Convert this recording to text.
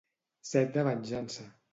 Set de venjança.